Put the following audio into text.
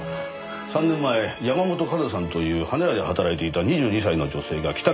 ３年前山本香奈さんという花屋で働いていた２２歳の女性が帰宅